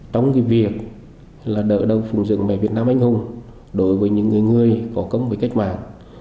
trong việc đỡ đầu phùng dựng mẹ việt nam anh hùng đối với những người có công với cách mạng